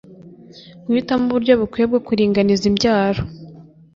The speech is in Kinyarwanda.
Guhitamo uburyo bukwiye bwo kuringaniza imbyaro